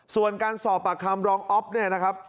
ส่วนการสอบปากคำรองอ๊อฟเนี่ยนะครับ